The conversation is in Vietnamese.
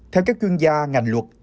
theo các chuyên gia ngành luật